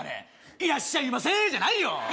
いらっしゃいませじゃないよ。